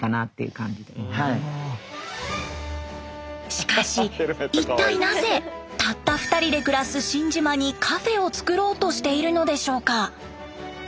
しかし一体なぜたった２人で暮らす新島にカフェを造ろうとしているのでしょうか？